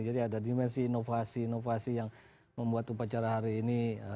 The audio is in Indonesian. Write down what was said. jadi ada dimensi inovasi inovasi yang membuat upacara hari ini